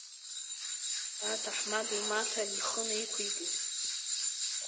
Аҭаҳмада имаҭа ихы наиқәикит.